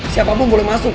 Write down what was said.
siapapun boleh masuk